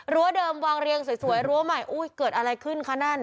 เดิมวางเรียงสวยรั้วใหม่อุ้ยเกิดอะไรขึ้นคะนั่น